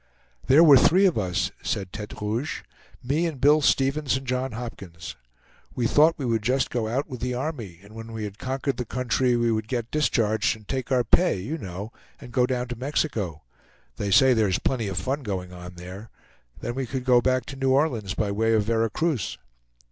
"There were three of us," said Tete Rouge, "me and Bill Stevens and John Hopkins. We thought we would just go out with the army, and when we had conquered the country, we would get discharged and take our pay, you know, and go down to Mexico. They say there is plenty of fun going on there. Then we could go back to New Orleans by way of Vera Cruz."